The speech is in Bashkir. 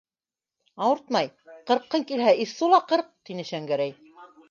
Ауыртмай, ҡырҡҡың килһә, иссу ла ҡырҡ, - тине Шәңгәрәй.